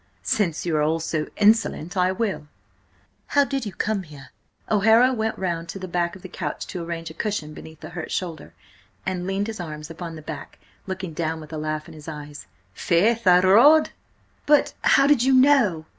"Since you are all so insistent, I will. How did you come here?" O'Hara went round to the back of the couch to arrange a cushion beneath the hurt shoulder, and leaned his arms upon the back, looking down with a laugh in his eyes. "Faith, I rode!" "But how did you know?